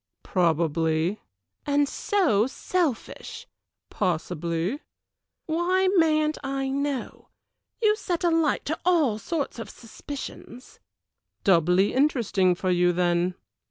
"Probably." "And so selfish." "Possibly." "Why mayn't I know? You set a light to all sorts of suspicions." "Doubly interesting for you, then."